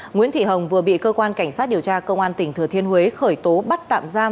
nguyễn thị hồng vừa bị cơ quan cảnh sát điều tra công an tỉnh thừa thiên huế khởi tố bắt tạm giam